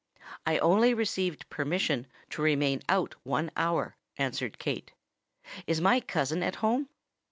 "I only received permission to remain out one hour," answered Kate. "Is my cousin at home?"